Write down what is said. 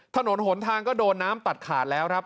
ถนนหนทางก็โดนน้ำตัดขาดแล้วครับ